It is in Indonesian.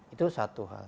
itu satu hal